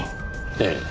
ええ。